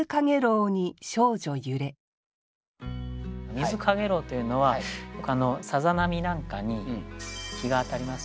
「水かげろふ」というのはよくさざ波なんかに日が当たりますよね。